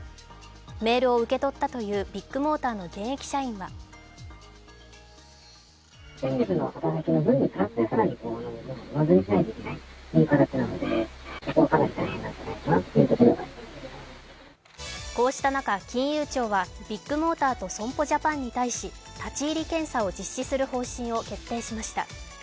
メールを受け取ったというビッグモーターの現役社員はこうした中、金融庁はビッグモーターと損保ジャパンに対し立入検査を実施する方針を決定しました。